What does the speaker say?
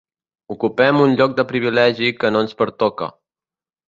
Ocupem un lloc de privilegi que no ens pertoca.